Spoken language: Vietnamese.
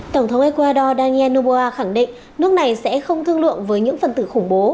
tổng thống ecuador daniel noboa khẳng định nước này sẽ không thương lượng với những phần tử khủng bố